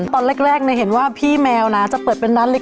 ตอนแรกเห็นว่าพี่แมวนะจะเปิดเป็นร้านเล็ก